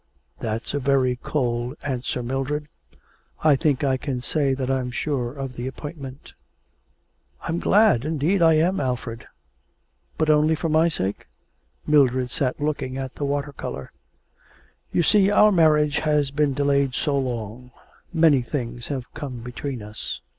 'That's a very cold answer, Mildred. I think I can say that I'm sure of the appointment.' 'I'm glad, indeed I am, Alfred.' 'But only for my sake?' Mildred sat looking at the water colour. 'You see our marriage has been delayed so long; many things have come between us.'